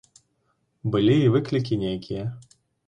Былі і выклікі нейкія.